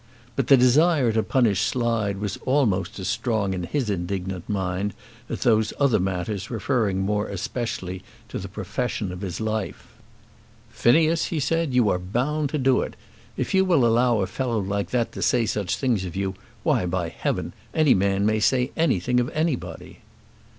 But the desire to punish Slide was almost as strong in his indignant mind as those other matters referring more especially to the profession of his life. "Phineas," he said, "you are bound to do it. If you will allow a fellow like that to say such things of you, why, by heaven, any man may say anything of anybody."